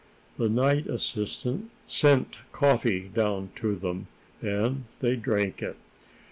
The night assistant sent coffee down to them, and they drank it.